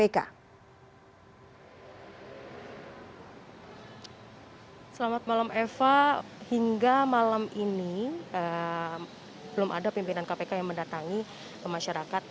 selamat malam eva hingga malam ini belum ada pimpinan kpk yang mendatangi masyarakat